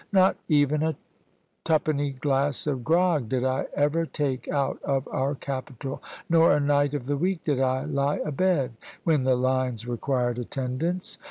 Not even a twopenny glass of grog did I ever take out of our capital, nor a night of the week did I lie abed, when the lines required attendance.